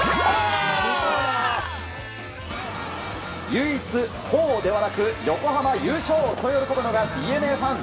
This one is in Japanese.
唯一、ほーではなく横浜優勝と喜ぶのがＤｅＮＡファン。